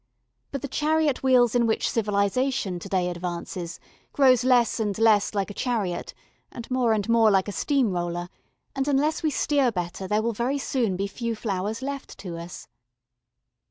But the chariot wheels in which civilisation to day advances grows less and less like a chariot and more and more like a steam roller, and unless we steer better there will very soon be few flowers left to us.